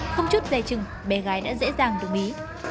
không chút dài chừng bé gái đã dễ dàng đứng ý